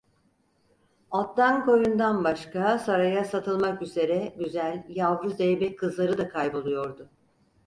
Attan koyundan başka saraya satılmak üzere güzel, yavru zeybek kızları da kayboluyordu.